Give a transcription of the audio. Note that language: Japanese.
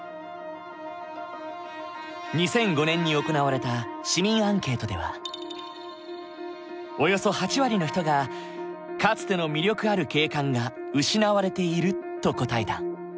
２００５年に行われた市民アンケートではおよそ８割の人が「かつての魅力ある景観が失われている」と答えた。